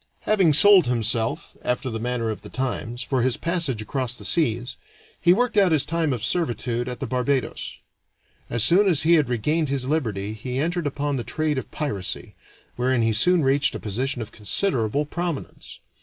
Having sold himself, after the manner of the times, for his passage across the seas, he worked out his time of servitude at the Barbados. As soon as he had regained his liberty he entered upon the trade of piracy, wherein he soon reached a position of considerable prominence.